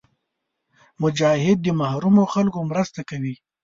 مجاهد د محرومو خلکو مرسته کوي.